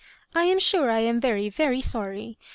" I am sure I am very, very sorry.